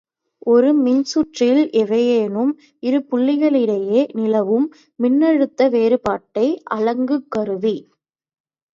ஒரு மின்சுற்றில் எவையேனும் இருபுள்ளிகளுக்கிடையே நிலவும் மின்னழுத்த வேறுபாட்டை அளக்குங் கருவி.